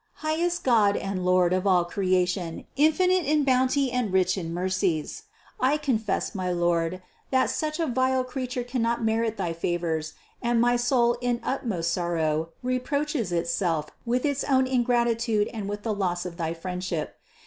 "Highest God and Lord of all creation, infinite in bounty and rich in mercies, I confess, my Lord, that such a vile creature cannot merit thy favors and my soul in utmost sorrow reproaches itself with its own ingratitude and with the loss of thy friendship.